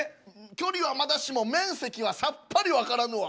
距離はまだしも面積はさっぱりわからぬわ。